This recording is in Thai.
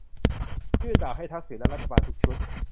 ยื่นดาบให้ "ทักษิณ" และรัฐบาลทุกชุด